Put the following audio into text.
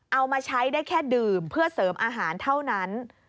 เอามาใช้ได้แค่ดื่มเพื่อเสริมอาหารเท่านั้น